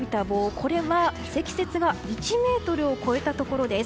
これは積雪が１ｍを超えたところです。